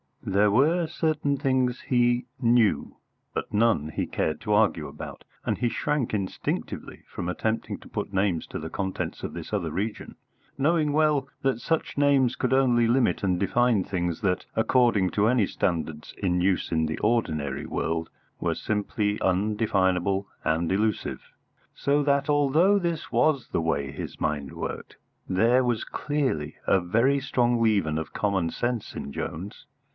There were certain things he knew, but none he cared to argue about; and he shrank instinctively from attempting to put names to the contents of this other region, knowing well that such names could only limit and define things that, according to any standards in use in the ordinary world, were simply undefinable and illusive. So that, although this was the way his mind worked, there was clearly a very strong leaven of common sense in Jones.